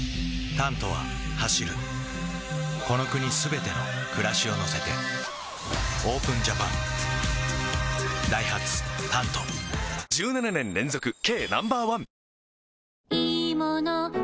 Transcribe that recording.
「タント」は走るこの国すべての暮らしを乗せてＯＰＥＮＪＡＰＡＮダイハツ「タント」１７年連続軽